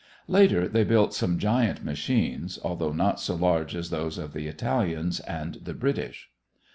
Later they built some giant machines, although not so large as those of the Italians and the British.